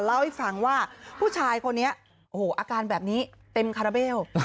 เล่าให้ฟังว่าผู้ชายคนนี้โอ้โหอาการแบบนี้เต็มคาราเบล